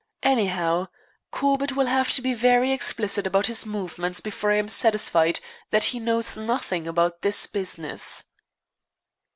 Anyhow, Corbett will have to be very explicit about his movements before I am satisfied that he knows nothing about this business."